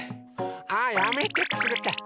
あやめてくすぐったい！